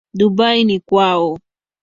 Dubai ni kwao.